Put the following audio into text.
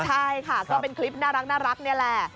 ใช่ค่ะก็เป็นคลิปน่ารักนี่แหละ